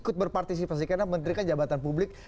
ikut berpartisipasi karena menterikan jabatan publik